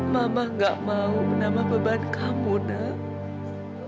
mama gak mau menambah beban kamu nak